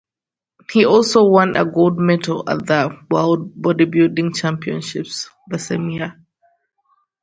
He also won a gold medal at the World Bodybuilding Championships, the same year.